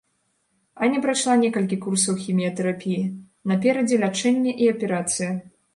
Аня прайшла некалькі курсаў хіміятэрапіі, наперадзе лячэнне і аперацыя.